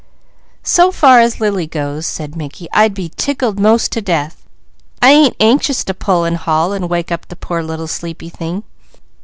"So far as Lily goes," said Mickey, "I'd be tickled 'most to death. I ain't anxious to pull and haul, and wake up the poor, little sleepy thing.